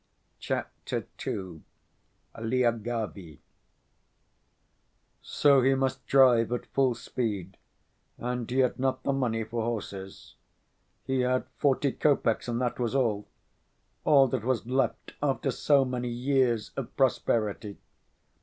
Chapter II. Lyagavy So he must drive at full speed, and he had not the money for horses. He had forty kopecks, and that was all, all that was left after so many years of prosperity!